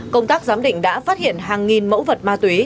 công tác giám định đã phát hiện hàng nghìn mẫu vật ma túy